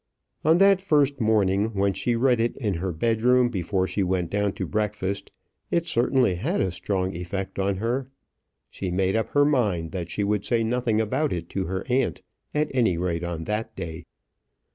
On that first morning, when she read it in her bedroom before she went down to breakfast, it certainly had a strong effect on her. She made up her mind that she would say nothing about it to her aunt, at any rate on that day.